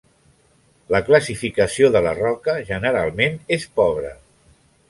La classificació de la roca generalment és pobra.